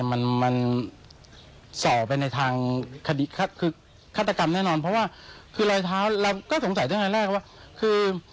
มันไม่ตรงใจเราถึงคือ